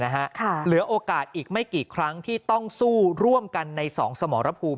เหลือโอกาสอีกไม่กี่ครั้งที่ต้องสู้ร่วมกันใน๒สมรภูมิ